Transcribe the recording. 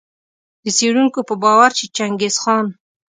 د څېړونکو په باور چي چنګیز خان